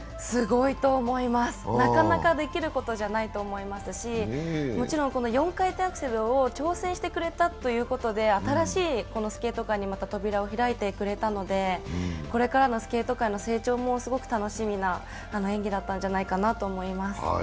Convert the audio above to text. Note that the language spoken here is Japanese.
すごいと思います、なかなかできることじゃないと思いますし、もちろん４回転アクセルを挑戦してくれたということでまた新しいスケート界の扉を開いてくれたので、これからのスケート界の成長もすごく楽しみな演技だったんじゃないかと思います。